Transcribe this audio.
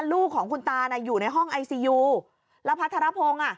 ลูกของคุณตาน่ะอยู่ในห้องไอซียูแล้วพัทรพงศ์อ่ะ